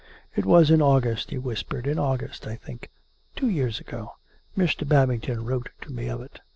" It was in August," he whispered, " in August, I think ; two years ago. Mr. Babington wrote to me of it."